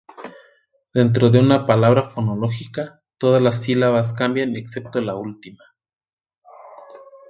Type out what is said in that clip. Dentro de una palabra fonológica, todas las sílabas cambian excepto la última.